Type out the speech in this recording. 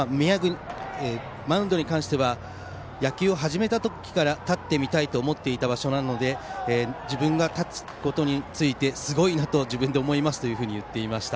マウンドに関しては野球を始めた時から立ってみたいと思っていた場所なので自分が立つことについてすごいなと自分で思いますと言っていました。